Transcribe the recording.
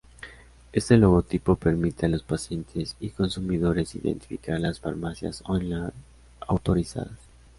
Este logotipo permite a los pacientes y consumidores identificar las farmacias on-line autorizadas.